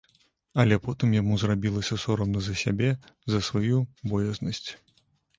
Але потым яму зрабілася сорамна за сябе, за сваю боязнасць.